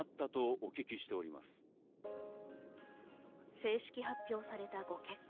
正式発表されたご結婚。